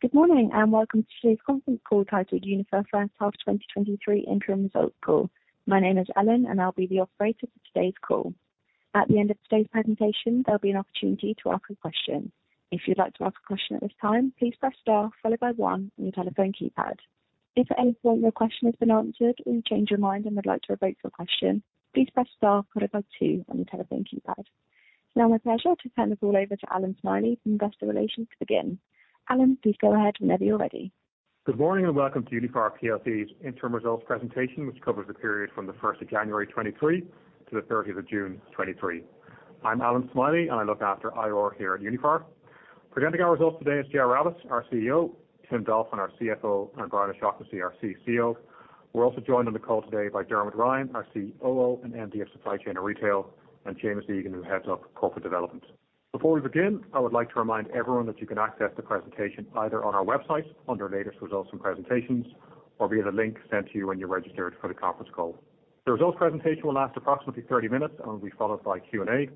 Good morning, and welcome to today's conference call, titled Uniphar First Half 2023 Interim Results Call. My name is Ellen, and I'll be the operator for today's call. At the end of today's presentation, there'll be an opportunity to ask a question. If you'd like to ask a question at this time, please press star followed by one on your telephone keypad. If at any point your question has been answered or you change your mind and would like to revoke your question, please press star followed by two on your telephone keypad. Now, it's my pleasure to turn the call over to Alan Smylie from Investor Relations to begin. Alan, please go ahead whenever you're ready. Good morning, and welcome to Uniphar plc's interim results presentation, which covers the period from the first of January 2023 to the thirtieth of June 2023. I'm Alan Smylie, and I look after IR here at Uniphar. Presenting our results today is Ger Rabbette, our CEO, Tim Dolphin, our CFO, and Brian O'Shaughnessy, our CCO. We're also joined on the call today by Dermot Ryan, our COO and MD of Supply Chain and Retail, and Seamus Egan, who heads up Corporate Development. Before we begin, I would like to remind everyone that you can access the presentation either on our website, under Latest Results and Presentations, or via the link sent to you when you registered for the conference call. The results presentation will last approximately 30 minutes and will be followed by Q&A.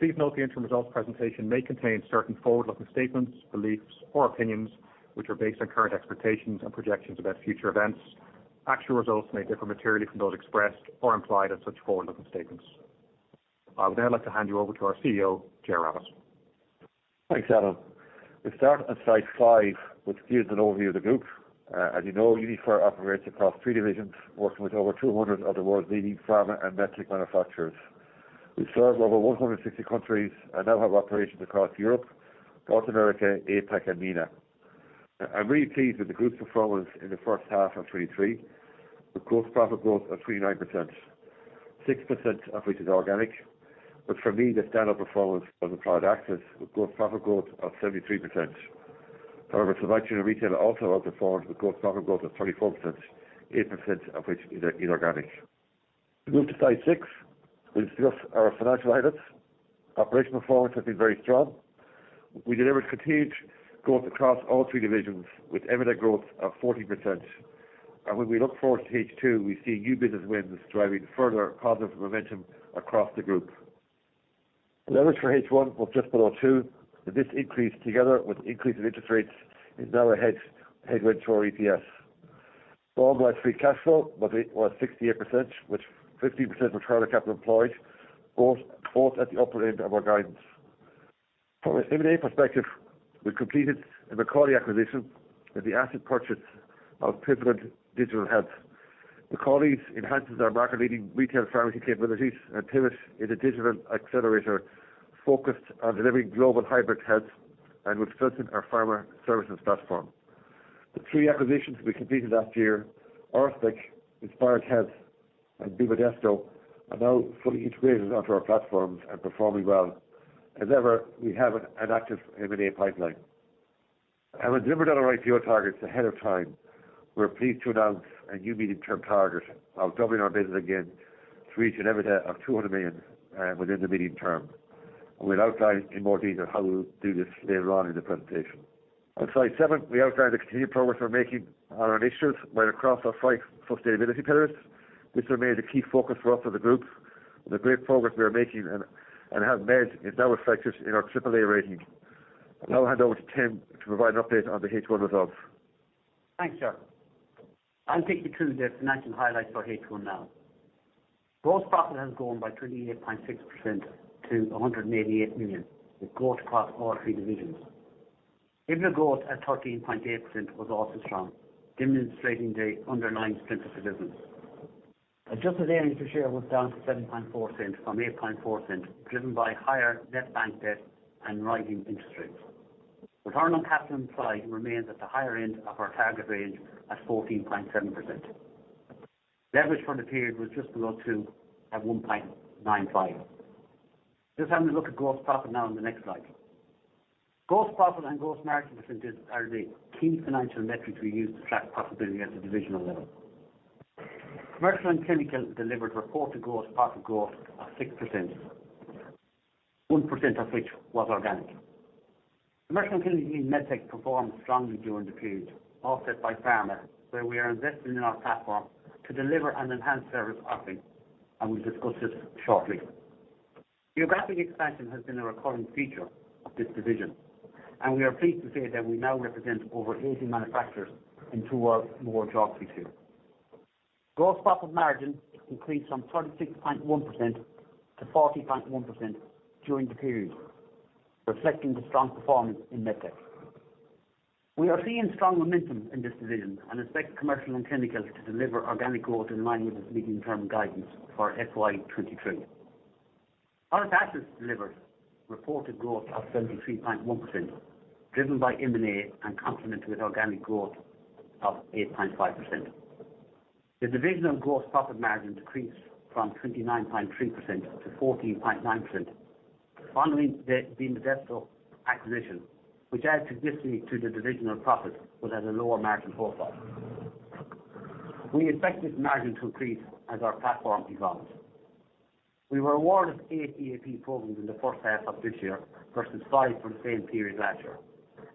Please note the interim results presentation may contain certain forward-looking statements, beliefs, or opinions, which are based on current expectations and projections about future events. Actual results may differ materially from those expressed or implied in such forward-looking statements. I would now like to hand you over to our CEO, Ger Rabbette. Thanks, Alan. We start on slide 5, which gives an overview of the group. As you know, Uniphar operates across three divisions, working with over 200 of the world's leading pharma and med tech manufacturers. We serve over 160 countries and now have operations across Europe, North America, APAC, and MENA. I'm really pleased with the group's performance in the first half of 2023, with gross profit growth of 39%, 6% of which is organic. But for me, the standout performance was in Product Access, with gross profit growth of 73%. However, Supply Chain and Retail also outperformed, with gross profit growth of 34%, 8% of which is organic. We move to slide 6, which discuss our financial highlights. Operational performance has been very strong. We delivered continued growth across all three divisions, with EBITDA growth of 14%. When we look forward to H2, we see new business wins driving further positive momentum across the group. Leverage for H1 was just below 2, and this increase, together with increase in interest rates, is now a headwind to our EPS. Our operating free cash flow was 68%, which 15% return on capital employed, both at the upper end of our guidance. From an M&A perspective, we completed the McCauley acquisition and the asset purchase of Pivot Digital Health. McCauley's enhances our market-leading retail pharmacy capabilities, and Pivot is a digital accelerator focused on delivering global hybrid health and will strengthen our pharma services platform. The three acquisitions we completed last year, Auric, Inspired Health, and Vivadesto, are now fully integrated onto our platforms and performing well. As ever, we have an active M&A pipeline. Having delivered on our IPO targets ahead of time, we're pleased to announce a new medium-term target of doubling our business again to reach an EBITDA of 200 million within the medium term. We'll outline in more detail how we'll do this later on in the presentation. On slide 7, we outlined the continued progress we're making on our initiatives right across our 5 sustainability pillars, which remain a key focus for us as a group. The great progress we are making and have made is now reflected in our AAA rating. I'll now hand over to Tim to provide an update on the H1 results. Thanks, Ger. I'll take you through the financial highlights for H1 now. Gross profit has grown by 28.6% to 188 million, with growth across all three divisions. EBITDA growth at 13.8% was also strong, demonstrating the underlying strength of the business. Adjusted earnings per share was down to 0.074 from 0.084, driven by higher net bank debt and rising interest rates. Return on capital employed remains at the higher end of our target range at 14.7%. Leverage for the period was just below 2, at 1.95. Let's have a look at gross profit now in the next slide. Gross profit and gross margin percentages are the key financial metrics we use to track profitability at the divisional level. Commercial & Clinical delivered reported gross profit growth of 6%, 1% of which was organic. Commercial & Clinical MedTech performed strongly during the period, offset by pharma, where we are investing in our platform to deliver an enhanced service offering, and we'll discuss this shortly. Geographic expansion has been a recurring feature of this division, and we are pleased to say that we now represent over 80 manufacturers in two or more geographies. Gross profit margin increased from 36.1% to 40.1% during the period, reflecting the strong performance in MedTech. We are seeing strong momentum in this division and expect Commercial & Clinical to deliver organic growth in line with its medium-term guidance for FY 2023. Product Access delivered reported growth of 73.1%, driven by M&A and complemented with organic growth of 8.5%. The division's gross profit margin decreased from 29.3% to 14.9%, following the Vivadesto acquisition, which adds significantly to the divisional profit, but has a lower margin profile. We expect this margin to increase as our platform evolves. We were awarded 8 EAP programs in the first half of this year versus 5 for the same period last year.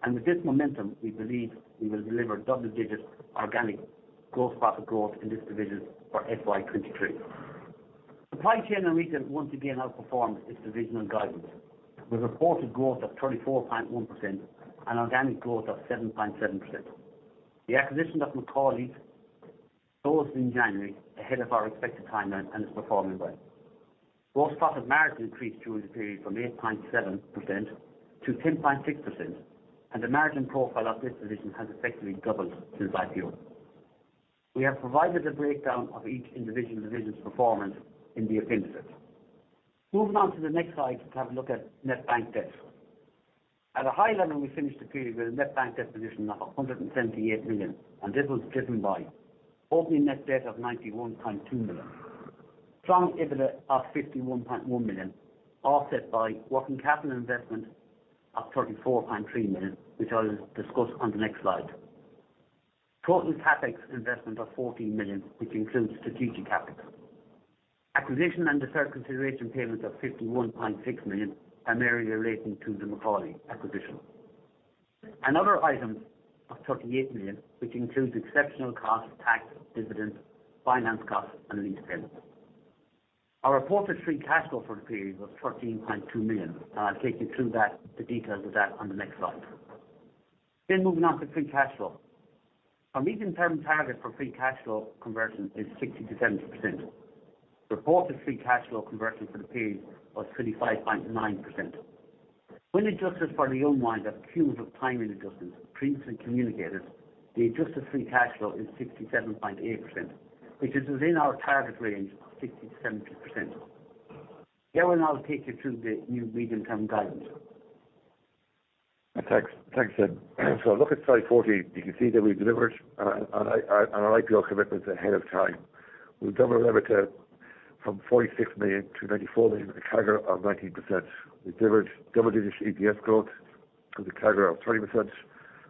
And with this momentum, we believe we will deliver double-digit organic gross profit growth in this division for FY 2023. Supply chain and retail once again outperformed its divisional guidance, with reported growth of 34.1% and organic growth of 7.7%. The acquisition of McCauley closed in January ahead of our expected timeline, and is performing well. Gross profit margin increased during the period from 8.7% to 10.6%, and the margin profile of this division has effectively doubled since IPO. We have provided a breakdown of each individual division's performance in the appendix. Moving on to the next slide to have a look at net bank debt. At a high level, we finished the period with a net bank debt position of 178 million, and this was driven by opening net debt of 91.2 million. Strong EBITDA of 51.1 million, offset by working capital investment of 34.3 million, which I'll discuss on the next slide. Total CapEx investment of 14 million, which includes strategic capital, acquisition and the third consideration payment of 51.6 million, primarily relating to the McCauley acquisition. Other items of 38 million, which includes exceptional costs, tax, dividends, finance costs, and lease payments. Our reported free cash flow for the period was 13.2 million, and I'll take you through that, the details of that on the next slide. Then moving on to free cash flow. Our medium-term target for free cash flow conversion is 60% to 70%. Reported free cash flow conversion for the period was 35.9%. When adjusted for the unwind of accruals and timing adjustments previously communicated, the adjusted free cash flow is 67.8%, which is within our target range of 60% to 70%. Ger will now take you through the new medium-term guidance. Thanks. Thanks, Jim. So if you look at slide 14, you can see that we delivered on our, on our IPO commitments ahead of time. We've doubled revenue from 46 to 94 million, with a CAGR of 19%. We delivered double-digit EPS growth with a CAGR of 30%.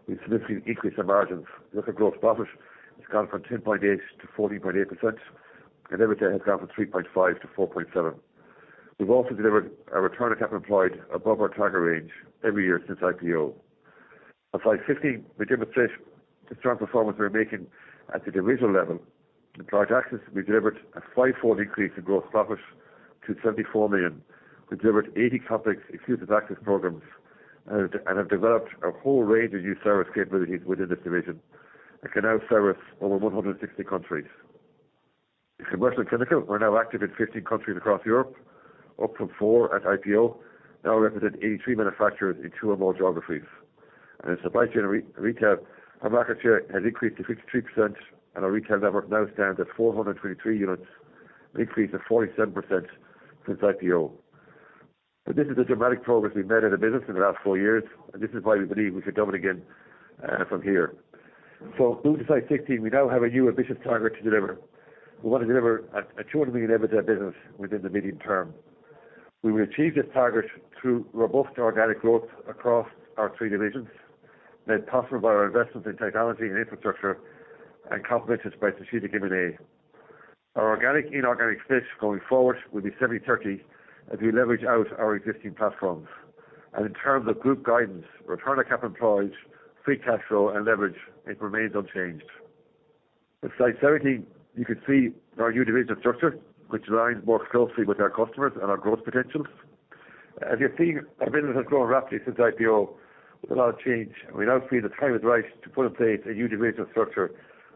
We've significantly increased our margins. Look at gross profit. It's gone from 10.8% to 14.8%, and EBITDA has gone from 3.5 to 4.7. We've also delivered our return on capital employed above our target range every year since IPO. On slide 15, we demonstrate the strong performance we're making at the divisional level. In Product Access, we delivered a fivefold increase in gross profit to 74 million. We delivered 80 complex exclusive access programs and have developed a whole range of new service capabilities within this division, and can now service over 160 countries. In Commercial and Clinical, we're now active in 15 countries across Europe, up from four at IPO, now represent 83 manufacturers in two or more geographies. In Supply Chain and Retail, our market share has increased to 53%, and our retail network now stands at 423 units, an increase of 47% since IPO. This is the dramatic progress we've made in the business in the last four years, and this is why we believe we should double again from here. Moving to slide 16, we now have a new ambitious target to deliver. We want to deliver a 200 million EBITDA business within the medium term. We will achieve this target through robust organic growth across our three divisions, made possible by our investment in technology and infrastructure, and complemented by strategic M&A. Our organic inorganic mix going forward will be 70/30, as we leverage out our existing platforms. In terms of group guidance, return on capital employed, free cash flow, and leverage, it remains unchanged. In slide 17, you can see our new divisional structure, which aligns more closely with our customers and our growth potentials. As you've seen, our business has grown rapidly since IPO with a lot of change, and we now feel the time is right to put in place a new divisional structure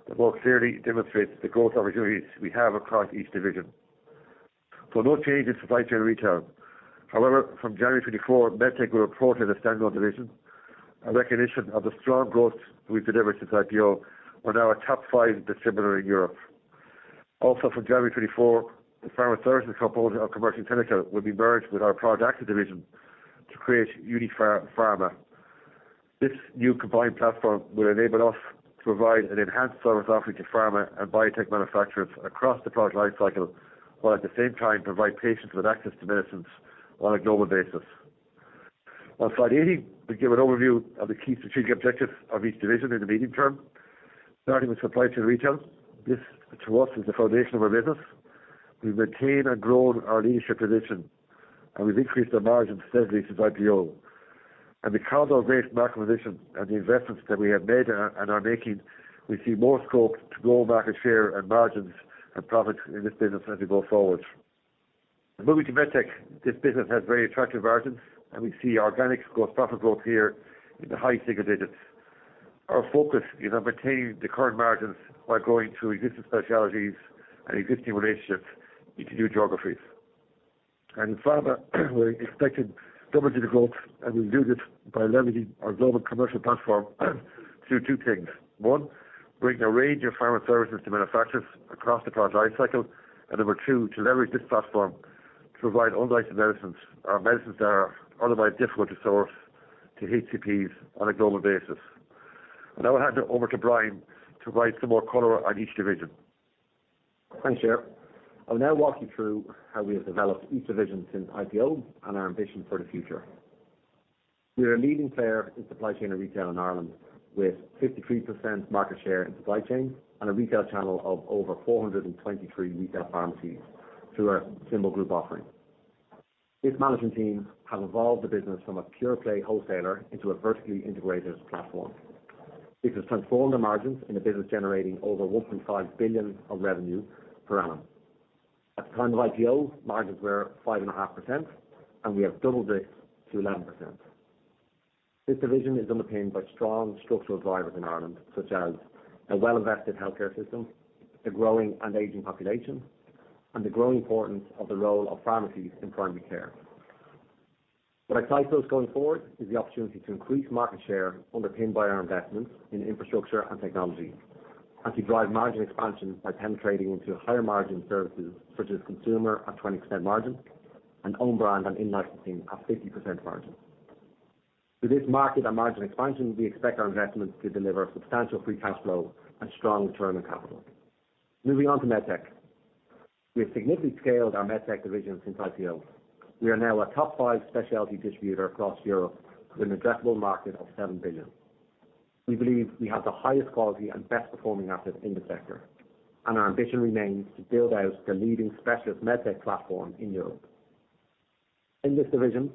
that more clearly demonstrates the growth opportunities we have across each division. No change in Supply Chain and Retail. However, from January 2024, MedTech will be reported as a standalone division. A recognition of the strong growth we've delivered since IPO. We're now a top five distributor in Europe. Also, from January 2024, the pharma services component of Commercial and Clinical will be merged with our Product Access division to create Uniphar Pharma. This new combined platform will enable us to provide an enhanced service offering to pharma and biotech manufacturers across the product life cycle, while at the same time provide patients with access to medicines on a global basis. On slide 18, we give an overview of the key strategic objectives of each division in the medium term, starting with Supply Chain and Retail. This, to us, is the foundation of our business. We've maintained and grown our leadership position, and we've increased our margins steadily since IPO. Because of our great market position and the investments that we have made and are making, we see more scope to grow market share and margins and profits in this business as we go forward. Moving to MedTech, this business has very attractive margins, and we see organic gross profit growth here in the high single digits. Our focus is on maintaining the current margins while growing through existing specialities and existing relationships into new geographies. In Pharma, we're expecting double-digit growth, and we'll do this by leveraging our global commercial platform through two things. One, bringing a range of pharma services to manufacturers across the product life cycle. Number two, to leverage this platform to provide unlicensed medicines or medicines that are otherwise difficult to source, to HCPs on a global basis. I'll now hand it over to Brian to provide some more color on each division. Thanks, Ger. I'll now walk you through how we have developed each division since IPO and our ambition for the future. We are a leading player in supply chain and retail in Ireland, with 53% market share in supply chain and a retail channel of over 423 retail pharmacies through our symbol group offering.... This management team have evolved the business from a pure play wholesaler into a vertically integrated platform. This has transformed the margins in a business generating over 1.5 billion of revenue per annum. At the time of IPO, margins were 5.5%, and we have doubled this to 11%. This division is underpinned by strong structural drivers in Ireland, such as a well-invested healthcare system, a growing and aging population, and the growing importance of the role of pharmacies in primary care. What excites us going forward is the opportunity to increase market share underpinned by our investments in infrastructure and technology, and to drive margin expansion by penetrating into higher margin services such as consumer at 20% margin and own brand and in-licensing at 50% margin. Through this market and margin expansion, we expect our investments to deliver substantial free cash flow and strong return on capital. Moving on to MedTech. We have significantly scaled our MedTech division since IPO. We are now a top five specialty distributor across Europe, with an addressable market of 7 billion. We believe we have the highest quality and best performing assets in the sector, and our ambition remains to build out the leading specialist MedTech platform in Europe. In this division,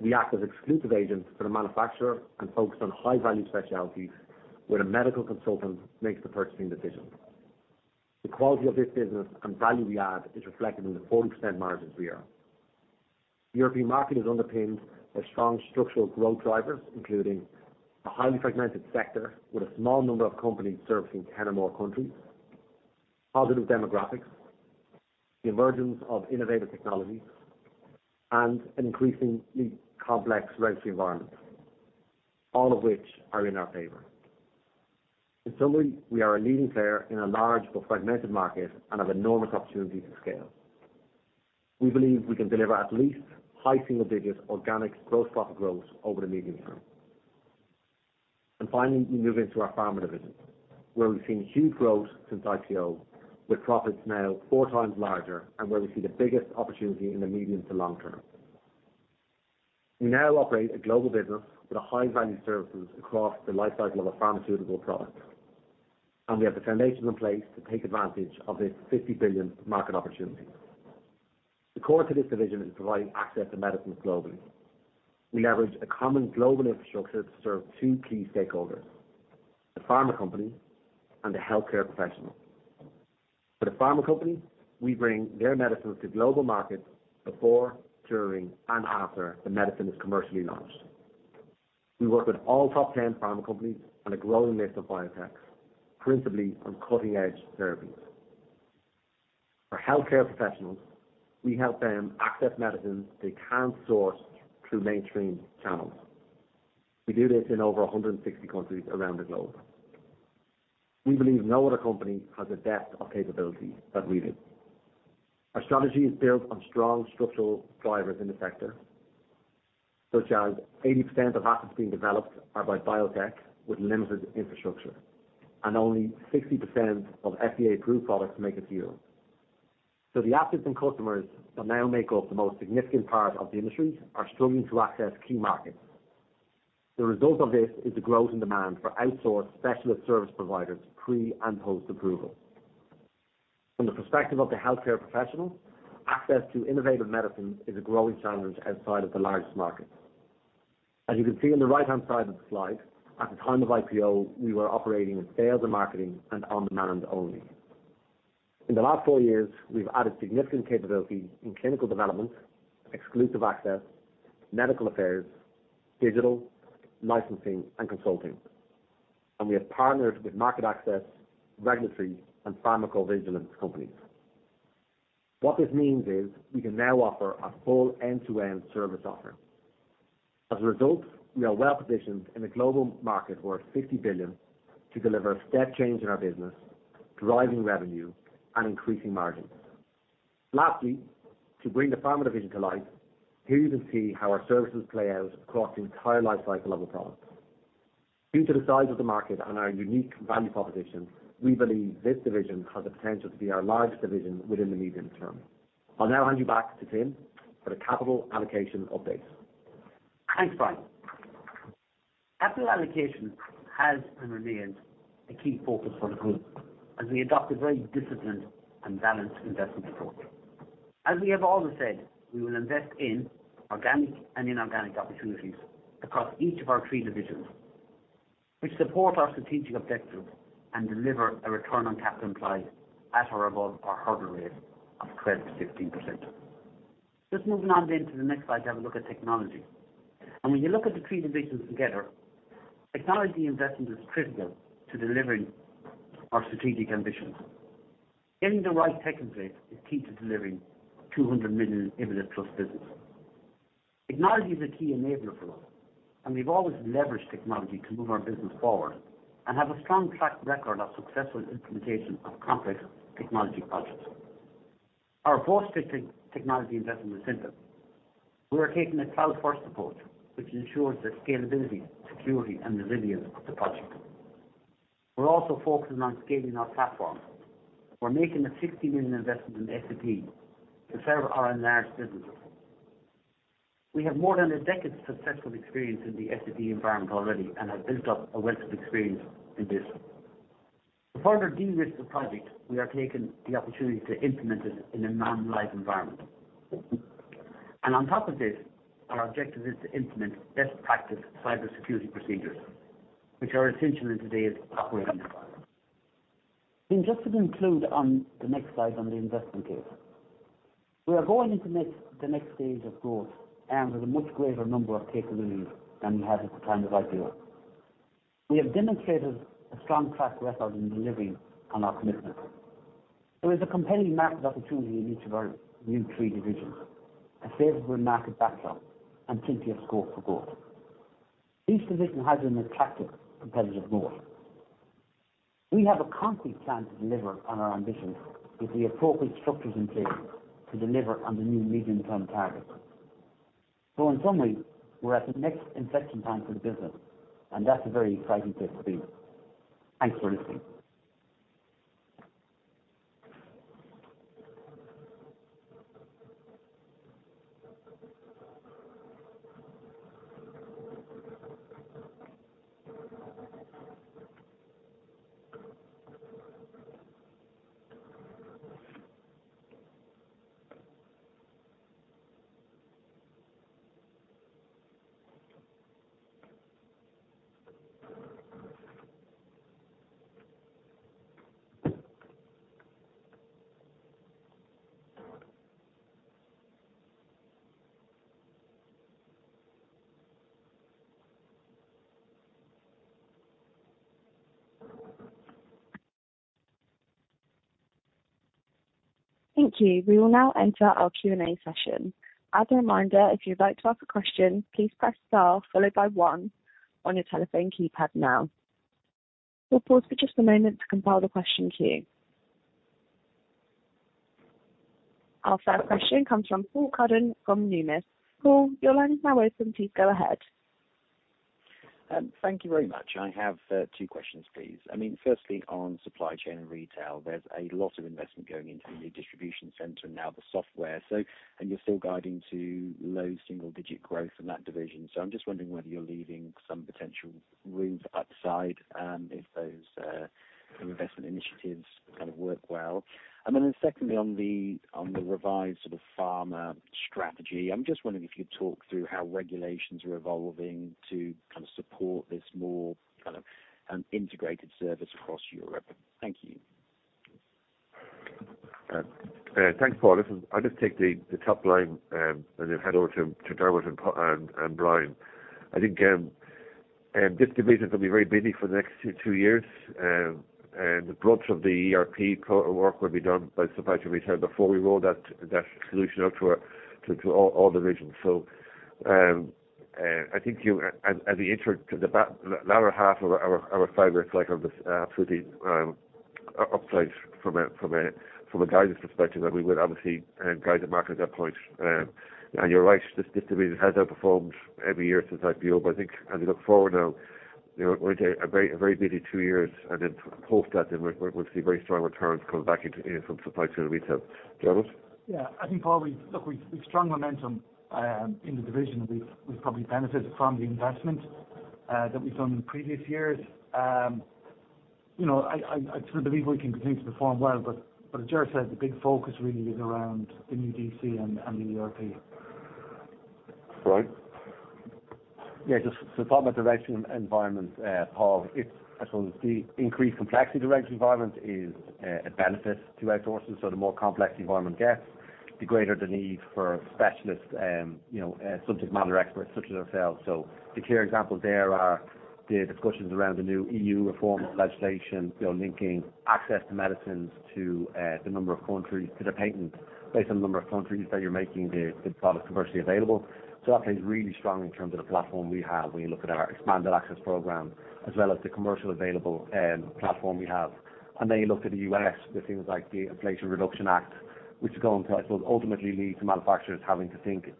we act as exclusive agents for the manufacturer and focus on high-value specialties, where a medical consultant makes the purchasing decision. The quality of this business and value we add is reflected in the 40% margins we earn. The European market is underpinned by strong structural growth drivers, including a highly fragmented sector with a small number of companies servicing 10 or more countries, positive demographics, the emergence of innovative technologies, and an increasingly complex regulatory environment, all of which are in our favor. In summary, we are a leading player in a large but fragmented market and have enormous opportunity to scale. We believe we can deliver at least high single digit organic gross profit growth over the medium term. And finally, we move into our Pharma division, where we've seen huge growth since IPO, with profits now four times larger, and where we see the biggest opportunity in the medium to long term. We now operate a global business with a high value services across the life cycle of a pharmaceutical product, and we have the foundations in place to take advantage of this 50 billion market opportunity. The core to this division is providing access to medicines globally. We leverage a common global infrastructure to serve two key stakeholders, the pharma company and the healthcare professional. For the pharma company, we bring their medicines to global markets before, during, and after the medicine is commercially launched. We work with all top ten pharma companies and a growing list of biotechs, principally on cutting-edge therapies. For healthcare professionals, we help them access medicines they can't source through mainstream channels. We do this in over 160 countries around the globe. We believe no other company has a depth of capability that we do. Our strategy is built on strong structural drivers in the sector, such as 80% of assets being developed are by biotech, with limited infrastructure, and only 60% of FDA-approved products make it to Europe. So the assets and customers that now make up the most significant part of the industry are struggling to access key markets. The result of this is a growth in demand for outsourced specialist service providers, pre and post-approval. From the perspective of the healthcare professional, access to innovative medicines is a growing challenge outside of the largest markets. As you can see on the right-hand side of the slide, at the time of IPO, we were operating in sales and marketing and on-demand only. In the last four years, we've added significant capability in clinical development, exclusive access, medical affairs, digital, licensing, and consulting. We have partnered with market access, regulatory, and pharmacovigilance companies. What this means is we can now offer a full end-to-end service offering. As a result, we are well positioned in a global market worth 50 billion to deliver step change in our business, driving revenue and increasing margins. Lastly, to bring the Pharma division to life, here you can see how our services play out across the entire life cycle of a product. Due to the size of the market and our unique value proposition, we believe this division has the potential to be our largest division within the medium term. I'll now hand you back to Tim for the capital allocation update. Thanks, Brian. Capital allocation has and remains a key focus for the group as we adopt a very disciplined and balanced investment approach. As we have always said, we will invest in organic and inorganic opportunities across each of our three divisions, which support our strategic objectives and deliver a return on capital employed at or above our hurdle rate of 12% to 15%. Just moving on then to the next slide to have a look at technology. When you look at the three divisions together, technology investment is critical to delivering our strategic ambitions. Getting the right tech in place is key to delivering 200 million+ EBITDA business. Technology is a key enabler for us, and we've always leveraged technology to move our business forward and have a strong track record of successful implementation of complex technology projects. Our approach to technology investment is simple. We are taking a cloud-first approach, which ensures the scalability, security, and resilience of the project. We're also focusing on scaling our platform. We're making a 60 million investment in SAP to serve our enlarged businesses. We have more than a decade of successful experience in the SAP environment already and have built up a wealth of experience in this.... To further de-risk the project, we are taking the opportunity to implement it in a non-live environment. And on top of this, our objective is to implement best practice cybersecurity procedures, which are essential in today's operating environment. And just to conclude on the next slide on the investment case, we are going into next, the next stage of growth and with a much greater number of capabilities than we had at the time of IPO. We have demonstrated a strong track record in delivering on our commitments. There is a compelling market opportunity in each of our new three divisions, a favorable market backdrop, and plenty of scope for growth. Each division has an attractive competitive moat. We have a concrete plan to deliver on our ambitions with the appropriate structures in place to deliver on the new medium-term targets. In summary, we're at the next inflection point for the business, and that's a very exciting place to be. Thanks for listening. Thank you. We will now enter our Q&A session. As a reminder, if you'd like to ask a question, please press star followed by one on your telephone keypad now. We'll pause for just a moment to compile the question to you. Our first question comes from Paul Sheridan from Numis. Paul, your line is now open. Please go ahead. Thank you very much. I have two questions, please. I mean, firstly, on supply chain and retail, there's a lot of investment going into the new distribution center and now the software, so and you're still guiding to low single digit growth in that division. So I'm just wondering whether you're leaving some potential room for upside, if those investment initiatives kind of work well. And then secondly, on the revised sort of pharma strategy, I'm just wondering if you'd talk through how regulations are evolving to kind of support this more kind of integrated service across Europe. Thank you. Thanks, Paul. Listen, I'll just take the top line, and then hand over to Dermot and Brian. I think this division is gonna be very busy for the next two years. And the brunt of the ERP work will be done by supply chain retail before we roll that solution out to all the regions. So, I think you... And the answer to the latter half of our five-year cycle was absolutely upside from a guidance perspective, that we would obviously guide the market at that point. And you're right, this division has outperformed every year since IPO, but I think as we look forward now, you know, we're into a very busy two years, and then post that, we're seeing very strong returns coming back into, you know, from supply chain retail. Dermot? Yeah. I think, Paul, we've—look, we've strong momentum in the division, and we've probably benefited from the investment that we've done in previous years. You know, I sort of believe we can continue to perform well, but as Gerard said, the big focus really is around the new DC and the ERP. Brian? Yeah, just so talk about the regulatory environment, Paul, it's, I suppose, the increased complexity of the regulatory environment is a benefit to outsourcing. So the more complex the environment gets, the greater the need for specialist, you know, subject matter experts such as ourselves. So the clear example there are the discussions around the new EU reform legislation, you know, linking access to medicines to the number of countries, to the patent, based on the number of countries that you're making the product commercially available. So that plays really strong in terms of the platform we have when you look at our Expanded Access Program, as well as the commercial available platform we have. And then you look at the US, with things like the Inflation Reduction Act, which is going to, I suppose, ultimately lead to manufacturers having to think,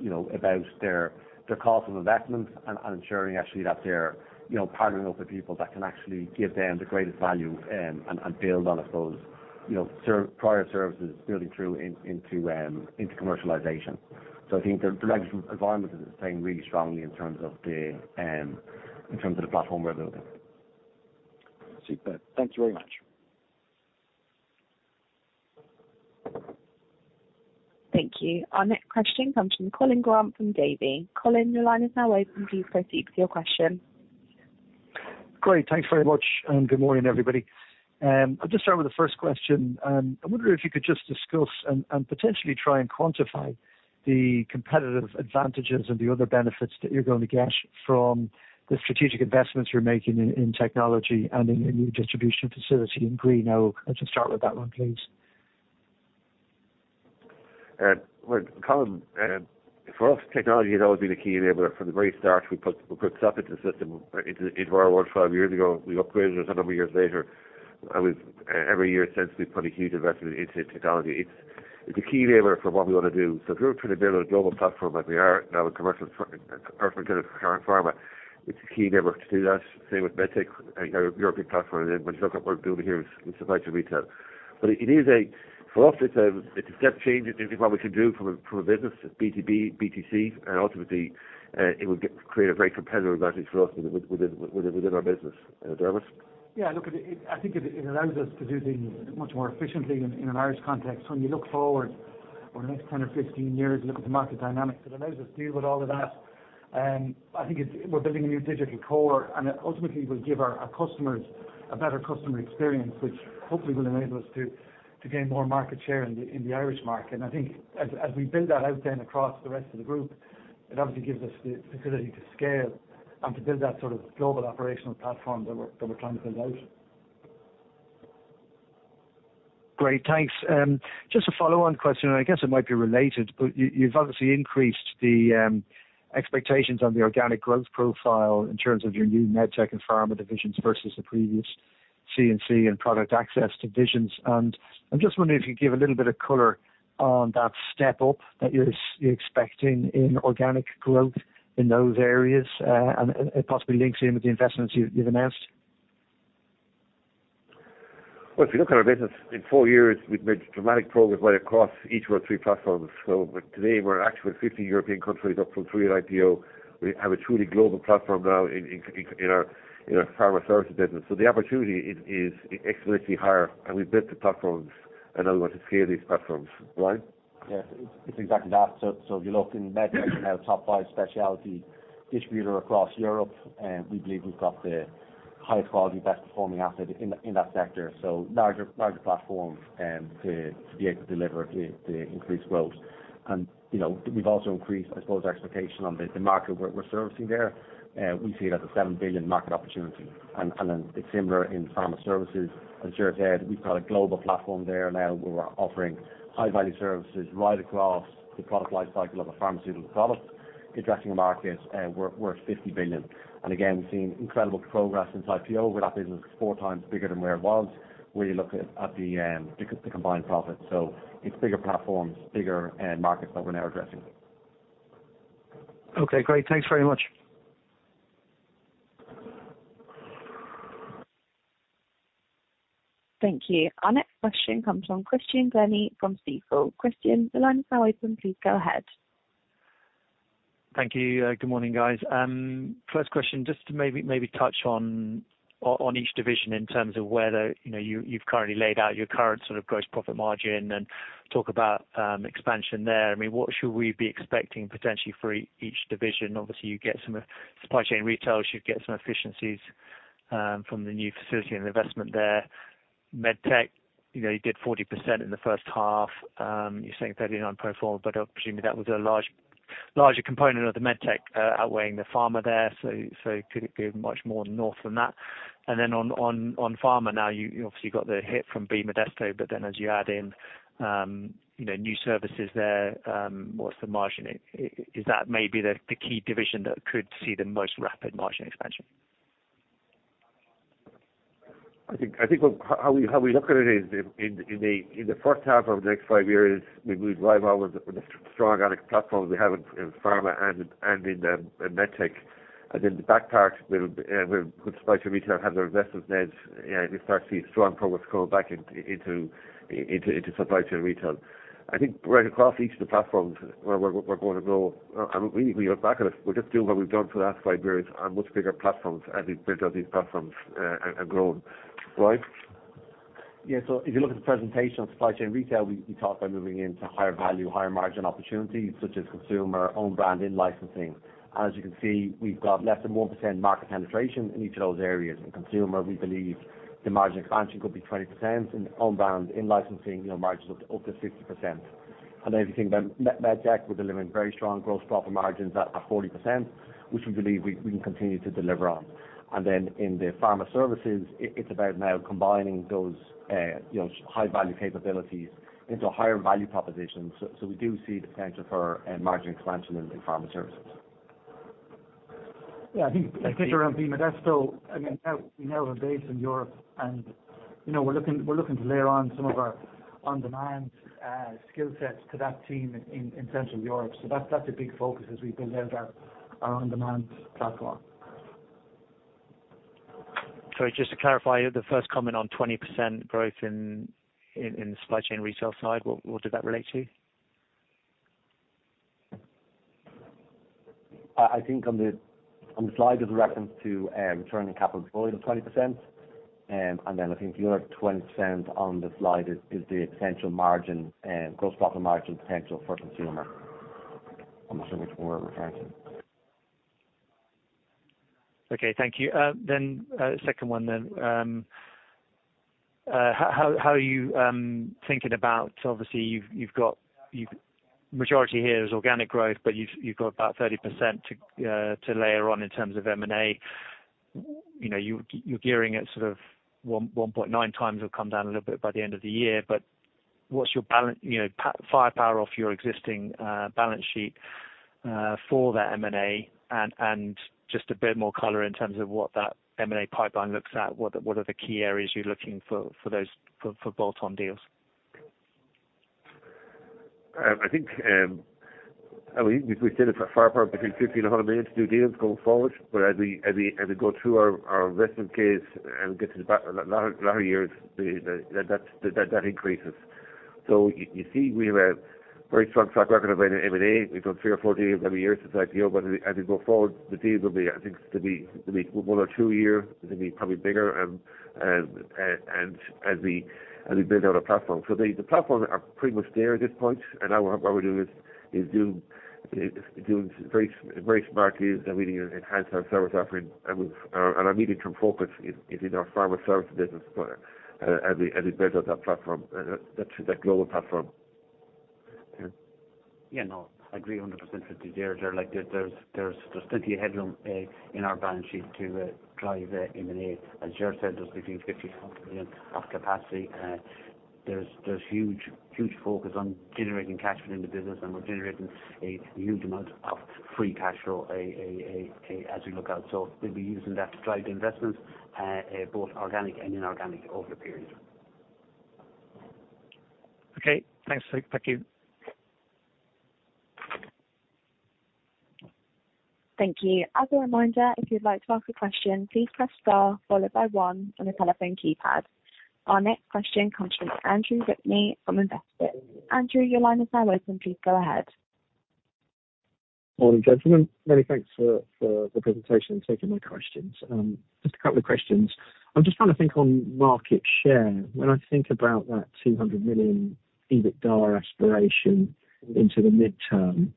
you know, about their, their cost of investment and, and ensuring actually that they're, you know, partnering up with people that can actually give them the greatest value, and, and build on, I suppose, you know, prior services building through, in, into, into commercialization. So I think the regulatory environment is playing really strongly in terms of the, in terms of the platform we're building. Super. Thank you very much. Thank you. Our next question comes from Colin Grant from Davy. Colin, your line is now open. Please proceed with your question. Great. Thanks very much, and good morning, everybody. I'll just start with the first question. I wonder if you could just discuss and, and potentially try and quantify the competitive advantages and the other benefits that you're going to get from the strategic investments you're making in, in technology and in your new distribution facility in Greenogue. I'll just start with that one, please. Well, Colin, for us, technology has always been a key enabler. From the very start, we put SAP into the system, into our world five years ago. We upgraded it a number of years later, and we've every year since, we've put a huge investment into technology. It's a key enabler for what we want to do. So if we were trying to build a global platform like we are now in commercial for current pharma, it's a key enabler to do that. Same with MedTech, our European platform, and when you look at what we're building here in supply chain retail. But it is a, for us, it's a step change in what we can do from a business, B2B, B2C, and ultimately, it will create a very competitive advantage for us within our business. Dermot? Yeah, look, I think it allows us to do things much more efficiently in an Irish context. When you look forward over the next 10 or 15 years, look at the market dynamics, it allows us to deal with all of that. And I think it's. We're building a new digital core, and it ultimately will give our customers a better customer experience, which hopefully will enable us to gain more market share in the Irish market. And I think as we build that out then across the rest of the group, it obviously gives us the facility to scale and to build that sort of global operational platform that we're trying to build out. Great, thanks. Just a follow-on question, and I guess it might be related, but you, you've obviously increased the expectations on the organic growth profile in terms of your new MedTech and Pharma divisions versus the previous C&C and Product Access divisions. And I'm just wondering if you could give a little bit of color on that step up that you're expecting in organic growth in those areas, and it possibly links in with the investments you've announced. Well, if you look at our business, in four years, we've made dramatic progress right across each of our three platforms. So, but today, we're actually in 50 European countries, up from three at IPO. We have a truly global platform now in our pharma services business. So the opportunity is exponentially higher, and we've built the platforms, and now we want to scale these platforms. Brian? Yes, it's exactly that. So if you look in MedTech, now top 5 specialty distributor across Europe, we believe we've got the highest quality, best performing asset in that sector. So larger platforms to be able to deliver the increased growth. And, you know, we've also increased, I suppose, our expectation on the market we're servicing there. We see it as a 7 billion market opportunity. And then it's similar in pharma services. As Gerard said, we've got a global platform there now, where we're offering high-value services right across the product life cycle of a pharmaceutical product, addressing a market worth 50 billion. And again, we've seen incredible progress since IPO, where that business is 4 times bigger than where it was, where you look at the combined profits. So it's bigger platforms, bigger markets that we're now addressing. Okay, great. Thanks very much. Thank you. Our next question comes from Christian Sheridan from Stifel. Christian, the line is now open. Please go ahead. Thank you. Good morning, guys. First question, just to maybe touch on each division in terms of where the, you know, you've currently laid out your current sort of gross profit margin and talk about expansion there. I mean, what should we be expecting potentially for each division? Obviously, you get some supply chain retail. You should get some efficiencies from the new facility and investment there. MedTech, you know, you did 40% in the first half. You're saying 39 pro forma, but presumably that was a larger component of the MedTech outweighing the pharma there, so could it be much more north than that? And then on pharma now, you obviously got the hit from Vivadesto, but then as you add in, you know, new services there, what's the margin? Is that maybe the key division that could see the most rapid margin expansion? I think what we look at it is in the first half of the next 5 years, we drive on with the strong organic platforms we have in Pharma and in MedTech. And in the back part, we'll put Supply Chain Retail have their investments, and you start to see strong progress coming back into Supply Chain Retail. I think right across each of the platforms where we're going to grow, and we look back at it, we're just doing what we've done for the last 5 years on much bigger platforms, as we've built out these platforms and grown. Brian? Yeah. So if you look at the presentation on supply chain retail, we talk about moving into higher value, higher margin opportunities, such as consumer, own brand, in-licensing. As you can see, we've got less than 1% market penetration in each of those areas. In consumer, we believe the margin expansion could be 20%, in own brand, in licensing, you know, margins of up to 60%. And then if you think about MedTech, we're delivering very strong gross profit margins at 40%, which we believe we can continue to deliver on. And then in the pharma services, it's about now combining those, you know, high value capabilities into a higher value proposition. So we do see the potential for margin expansion in pharma services. Yeah, I think- Thank you. -around Vivadesto, again, now we have a base in Europe, and, you know, we're looking, we're looking to layer on some of our on-demand skill sets to that team in Central Europe. So that's, that's a big focus as we build out our on-demand platform. Sorry, just to clarify, the first comment on 20% growth in the supply chain retail side, what did that relate to? I think on the slide, there's a reference to returning on capital deployed of 20%. And then I think the other 20% on the slide is the potential margin, gross profit margin potential for consumer. I'm not sure which one we're referring to. Okay, thank you. Then, second one then. How are you thinking about... Obviously, you've got majority here is organic growth, but you've got about 30% to layer on in terms of M&A. You know, you're gearing it sort of 1.9 times will come down a little bit by the end of the year, but what's your balance sheet firepower off your existing balance sheet for the M&A? And just a bit more color in terms of what that M&A pipeline looks like. What are the key areas you're looking for for those bolt-on deals? ... I think, I mean, we said it for the most part between 50 and 100 million to do deals going forward. But as we go through our investment case and get to the latter larger years, that increases. So you see, we have a very strong track record of M&A. We've done 3 or 4 deals every year since IPO, but as we go forward, the deals will be, I think, one or two a year. They'll be probably bigger, and as we build out our platform. So the platform are pretty much there at this point, and now what we're doing is doing very smart deals, and we need to enhance our service offering. And our medium-term focus is in our pharma services business, but as we build out that platform, that global platform. Yeah, no, I agree 100% with you there. There, like, there's plenty of headroom in our balance sheet to drive M&A. As Gerard said, there's between 50 and 100 million of capacity. There's huge focus on generating cash within the business, and we're generating a huge amount of free cash flow as we look out. So we'll be using that to drive the investment both organic and inorganic over the period. Okay, thanks. Thank you. Thank you. As a reminder, if you'd like to ask a question, please press star followed by one on your telephone keypad. Our next question comes from Andrew Whitney from Investor. Andrew, your line is now open. Please go ahead. Morning, gentlemen. Many thanks for, for the presentation and taking my questions. Just a couple of questions. I'm just trying to think on market share. When I think about that 200 million EBITDA aspiration into the midterm,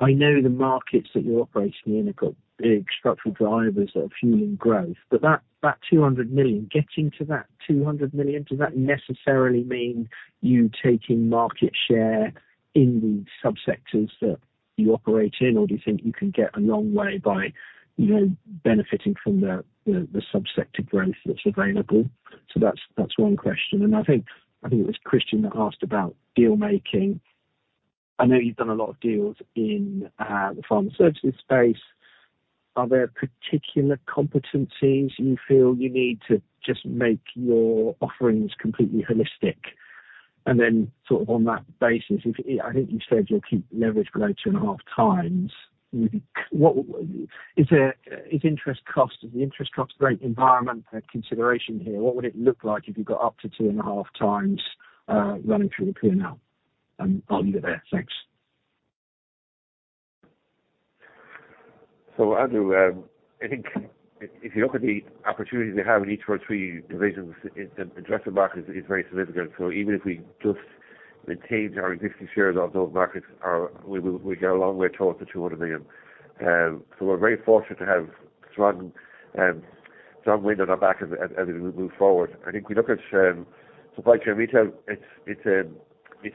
I know the markets that you're operating in have got big structural drivers that are fueling growth, but that, that 200 million, getting to that 200 million, does that necessarily mean you taking market share in the sub-sectors that you operate in? Or do you think you can get a long way by, you know, benefiting from the, the, the sub-sector growth that's available? So that's, that's one question. And I think, I think it was Christian that asked about deal making. I know you've done a lot of deals in, the pharma services space. Are there particular competencies you feel you need to just make your offerings completely holistic? And then sort of on that basis, if, I think you said you'll keep leverage below 2.5x, what, is there, is interest cost, the interest cost rate environment a consideration here? What would it look like if you got up to 2.5x, running through the P&L? And I'll leave it there. Thanks. So, Andrew, I think if you look at the opportunity we have in each of our three divisions, the addressed market is very significant. So even if we just maintain our existing shares on those markets, we will go a long way towards the 200 million. So we're very fortunate to have strong, strong wind on our back as we move forward. I think we look at Supply Chain Retail, it's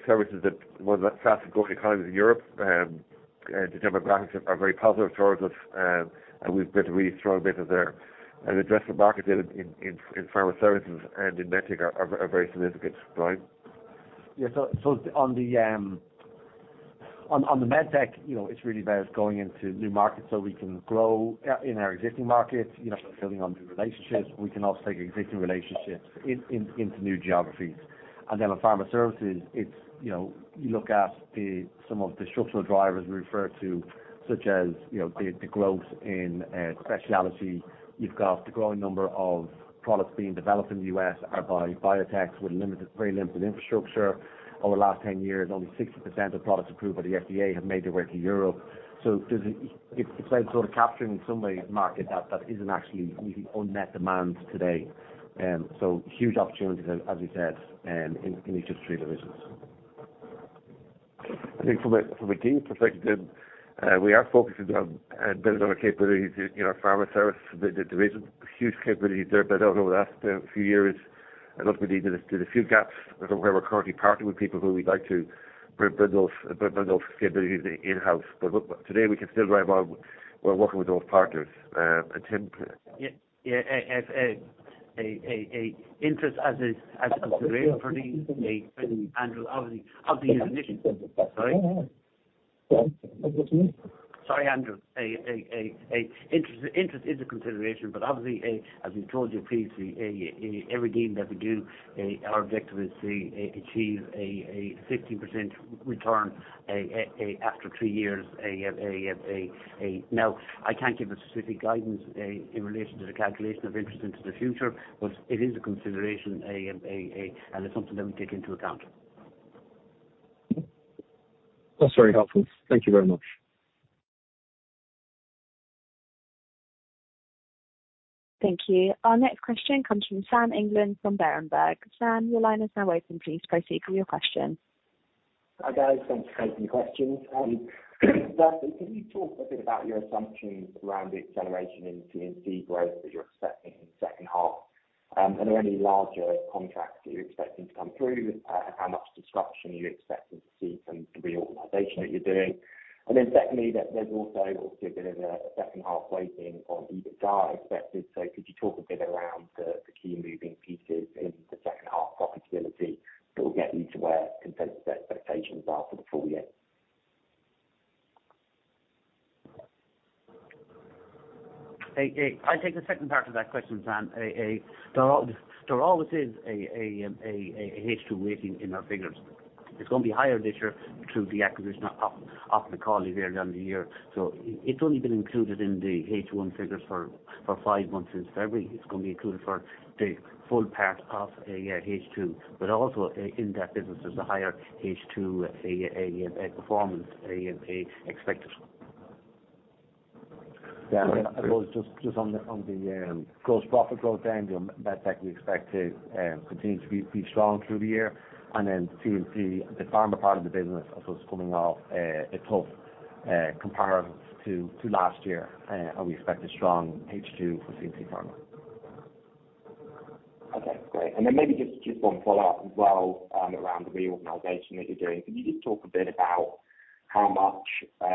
services that one of the fastest growing economies in Europe, and the demographics are very positive towards us. And we've built a really strong business there. And addressed the market in pharma services and in med tech are very significant, right? Yeah. So on the med tech, you know, it's really about going into new markets so we can grow in our existing markets. You know, building on new relationships. We can also take existing relationships into new geographies. And then on pharma services, it's, you know, you look at some of the structural drivers we refer to, such as, you know, the growth in specialty. You've got the growing number of products being developed in the US are by biotechs with limited, very limited infrastructure. Over the last 10 years, only 60% of products approved by the FDA have made their way to Europe. So there's, it's, it's like sort of capturing somebody's market that isn't actually meeting unmet demand today. So huge opportunities, as we said, in each of three divisions. I think from a deal perspective, we are focusing on building on our capabilities in, you know, Pharma Services, the division. Huge capabilities there, but over the last few years, and look, we did a few gaps where we're currently partnering with people who we'd like to build those capabilities in-house. But look, today we can still drive on. We're working with those partners, and Tim- Yeah, yeah, an interest as is, as a consideration for the Andrew, obviously, obviously is an issue. Sorry? Go ahead. Sorry, Andrew. Interest is a consideration, but obviously, as we've told you previously, every deal that we do, our objective is to achieve a 50% return after three years. Now, I can't give a specific guidance in relation to the calculation of interest into the future, but it is a consideration, and it's something that we take into account. That's very helpful. Thank you very much. Thank you. Our next question comes from Sam England, from Berenberg. Sam, your line is now open. Please proceed with your question. Hi, guys. Thanks for taking the questions. Can you talk a bit about your assumptions around the acceleration in P&C growth that you're expecting in the second half? Are there any larger contracts that you're expecting to come through, how much disruption are you expecting to see from the reorganization that you're doing? And then secondly, there's also obviously a bit of a second half weighting on EBITDA expected. So could you talk a bit around the key moving pieces in the second half profitability that will get you to where consensus expectations are for the full year?... I'll take the second part of that question, Sam. There always is a H2 waiting in our figures. It's gonna be higher this year through the acquisition of McCauley earlier in the year. So it's only been included in the H1 figures for five months since February. It's gonna be included for the full part of H2. But also, in that business, there's a higher H2 performance expected. Yeah, I suppose just on the gross profit growth end, yeah, MedTech we expect to continue to be strong through the year. And then C&C, the pharma part of the business, also is coming off a tough comparison to last year, and we expect a strong H2 for C&C pharma. Okay, great. And then maybe just, just one follow-up as well, around the reorganization that you're doing. Can you just talk a bit about how much,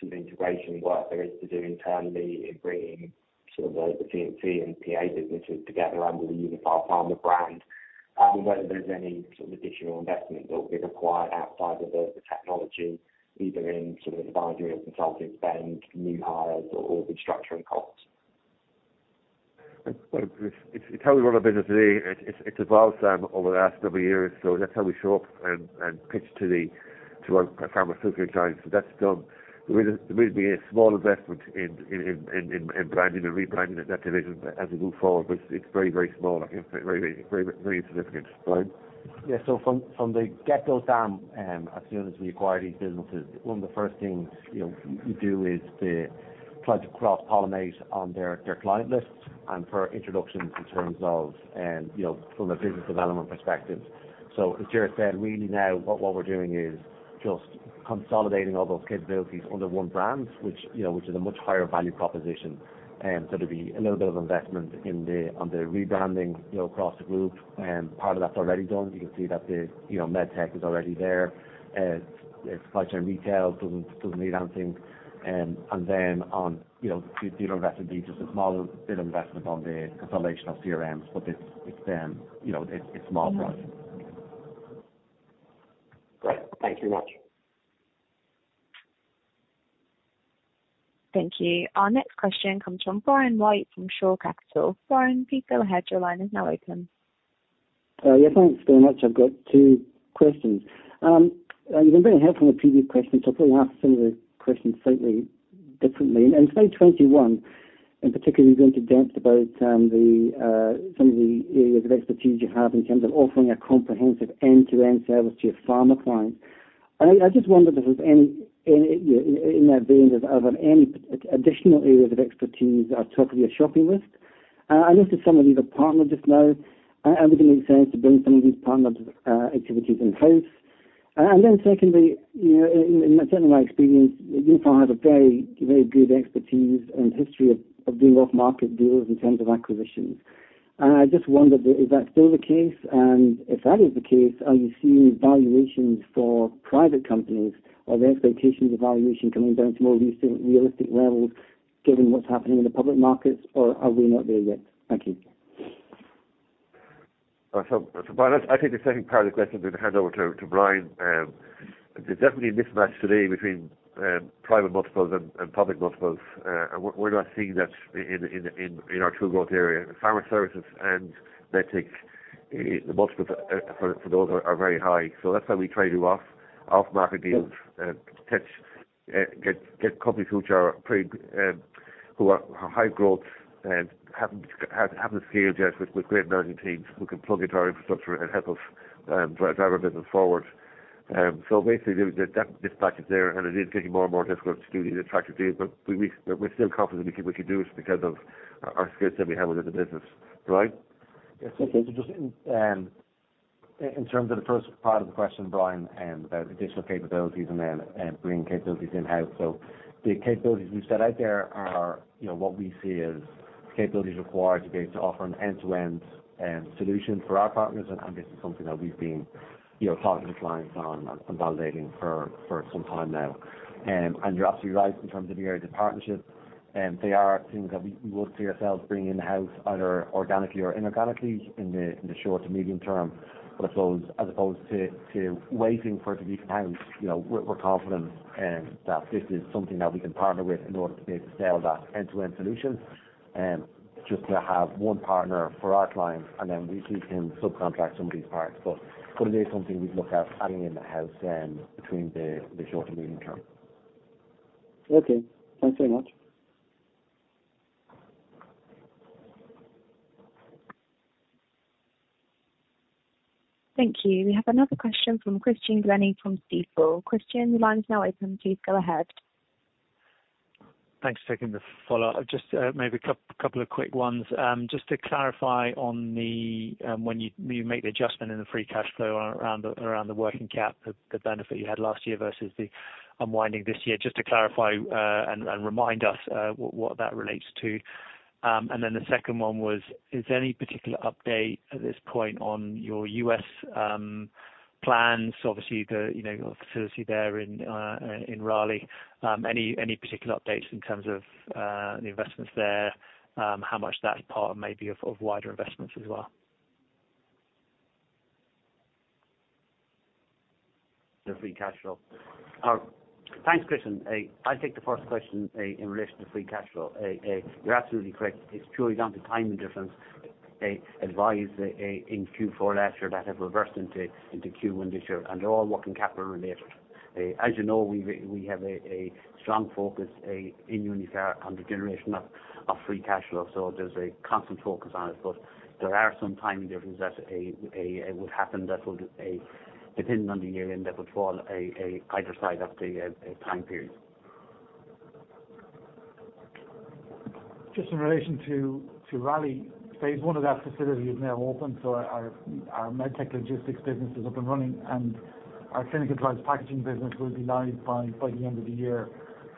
sort of integration work there is to do internally in bringing sort of the, the C&C and PA businesses together under the Uniphar Pharma brand? And whether there's any sort of additional investment that will be required outside of the, the technology, either in sort of advisory or consulting spend, new hires, or, or restructuring costs? It's how we run our business today. It evolved over the last number of years, so that's how we show up and pitch to our pharmaceutical clients, so that's done. There will be a small investment in branding and rebranding of that division as we move forward, but it's very small, like very insignificant. Brian? Yeah. So from, from the get-go, Sam, as soon as we acquire these businesses, one of the first things, you know, we do is try to cross-pollinate on their, their client lists, and for introductions in terms of, you know, from a business development perspective. So as Gerard said, really now what, what we're doing is just consolidating all those capabilities under one brand, which, you know, which is a much higher value proposition. So there'll be a little bit of investment in the, on the rebranding, you know, across the group, and part of that's already done. You can see that the, you know, MedTech is already there. Supply Chain & Retail doesn't, doesn't need anything. And then on, you know, the other recipes, just a small bit of investment on the consolidation of CRMs, but it's, you know, it's small for us. Great. Thank you very much. Thank you. Our next question comes from Brian White, from Shore Capital. Brian, please go ahead. Your line is now open. Yeah, thanks very much. I've got two questions. You've been very helpful in the previous questions, so I'll probably ask some of the questions slightly differently. In slide 21, in particular, you went into depth about some of the areas of expertise you have in terms of offering a comprehensive end-to-end service to your pharma clients. And I just wondered if there's any, yeah, in that vein, are there any additional areas of expertise that are top of your shopping list? I noticed some of these are partnered just now. Would it make sense to bring some of these partnered activities in-house? And then secondly, you know, certainly in my experience, Uniphar have a very, very good expertise and history of doing off-market deals in terms of acquisitions. I just wondered, is that still the case? If that is the case, are you seeing valuations for private companies or the expectations of valuation coming down to more recent realistic levels, given what's happening in the public markets, or are we not there yet? Thank you. So, Brian, I'll take the second part of the question, then hand over to Brian. There's definitely a mismatch today between private multiples and public multiples. And we're not seeing that in our true growth area. Pharma services and MedTech, the multiples for those are very high. So that's why we try to do off-market deals to catch get companies which are pretty who are high growth and haven't scaled yet with great management teams who can plug into our infrastructure and help us drive our business forward. So basically, that mismatch is there, and it is getting more and more difficult to do these attractive deals, but we're still confident we can do it because of our skill set we have within the business. Brian? Yes, so just in terms of the first part of the question, Brian, about additional capabilities and then bringing capabilities in-house. So the capabilities we've set out there are, you know, what we see as capabilities required to be able to offer an end-to-end solution for our partners, and this is something that we've been, you know, talking to clients on and consolidating for some time now. And you're absolutely right in terms of the areas of partnership, they are things that we would see ourselves bringing in-house, either organically or inorganically, in the short to medium term. But as opposed to waiting for it to be in-house, you know, we're confident that this is something that we can partner with in order to be able to sell that end-to-end solution. Just to have one partner for our clients, and then we, we can subcontract some of these parts, but, but it is something we'd look at adding in the house, between the short and medium term. Okay. Thanks very much. Thank you. We have another question from Christian Sheridan from Stifel. Christian, your line is now open. Please go ahead. Thanks for taking the follow-up. Just maybe a couple of quick ones. Just to clarify on the, when you make the adjustment in the free cash flow around the working cap, the benefit you had last year versus the unwinding this year. Just to clarify and remind us what that relates to. And then the second one was, is there any particular update at this point on your US plans? Obviously, you know, your facility there in Raleigh. Any particular updates in terms of the investments there, how much that's part maybe of wider investments as well?... the free cash flow. Thanks, Christian. I'll take the first question in relation to free cash flow. You're absolutely correct. It's purely down to timing difference as advised in Q4 last year that has reversed into Q1 this year, and they're all working capital related. As you know, we have a strong focus in Uniphar on the generation of free cash flow, so there's a constant focus on it. But there are some timing differences that would happen that would, depending on the year-end, that would fall either side of the time period. Just in relation to Raleigh, phase 1 of that facility is now open, so our MedTech logistics business is up and running, and our clinical trials packaging business will be live by the end of the year,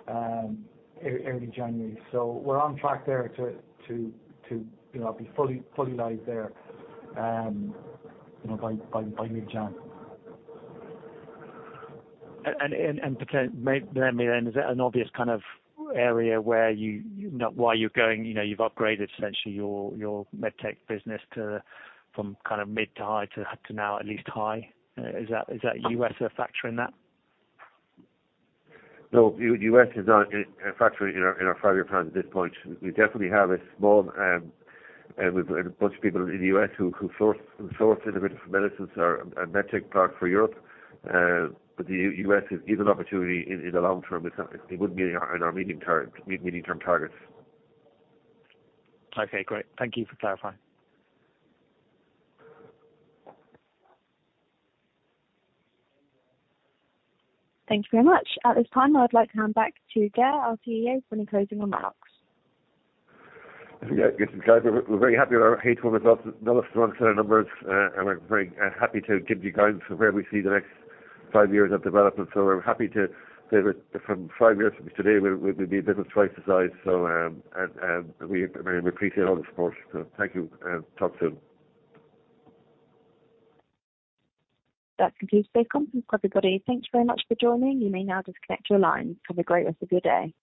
early January. So we're on track there to, you know, be fully live there, you know, by mid-January. Then, is it an obvious kind of area where you... Not why you're going, you know, you've upgraded essentially your, your MedTech business to, from kind of mid to high, to, to now at least high. Is that US a factor in that? No, US is not a factor in our five-year plan at this point. We definitely have a small, with a bunch of people in the US who source individual medicines, our med tech part for Europe, but the US is an opportunity in the long term. It's not, it wouldn't be in our medium term targets. Okay, great. Thank you for clarifying. Thank you very much. At this time, I'd like to hand back to Ger Rabbette, our CEO, for any closing remarks. Yeah, listen, guys, we're very happy with our H1 results, nonetheless strong set of numbers, and we're very happy to give you guidance for where we see the next five years of development. So we're happy to from five years from today, we we'll be a business twice the size. So, and, we appreciate all the support, so thank you, and talk soon. That concludes the conference, everybody. Thank you very much for joining. You may now disconnect your lines. Have a great rest of your day.